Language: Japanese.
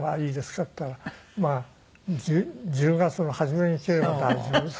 って言ったら「まあ１０月の初めに切れば大丈夫です」。